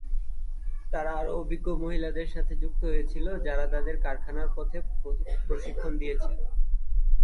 তারা আরও অভিজ্ঞ মহিলাদের সাথে যুক্ত হয়েছিল, যারা তাদের কারখানার পথে প্রশিক্ষণ দিয়েছিল।